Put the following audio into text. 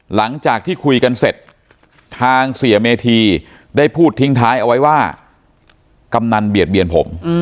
หลังจากที่คุยกันเสร็จทางเสียเมธีได้พูดทิ้งท้ายเอาไว้ว่ากำนันเบียดเบียนผม